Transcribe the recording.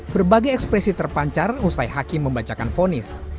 berbagai ekspresi terpancar usai hakim membacakan fonis